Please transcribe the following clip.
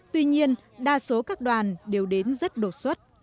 tuy nhiên đa số các đoàn đều đến rất đột xuất